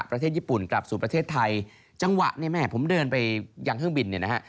ประเทศญี่ปุ่นกลับสู่ประเทศไทยจังหวะเนี่ยแม่ผมเดินไปยังเครื่องบินเนี่ยนะฮะ